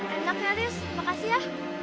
enak ya riz makasih ya